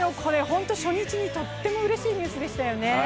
初日にとってもうれしいニュースでしたね。